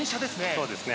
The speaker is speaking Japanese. そうですね。